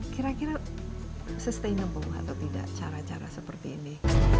kira kira sustainable atau tidak cara cara seperti ini